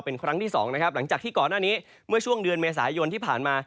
เป็นครั้งที่สองนะครับหลังจากที่ก่อนหน้านี้เมื่อช่วงเดือนเมษายนที่ผ่านมา